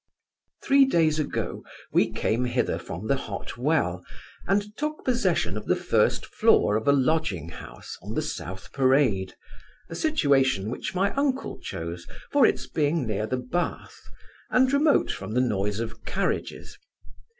Three days ago we came hither from the Hot Well, and took possession of the first floor of a lodging house, on the South Parade; a situation which my uncle chose, for its being near the Bath, and remote from the noise of carriages.